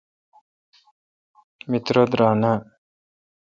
می ترہ درائ نان۔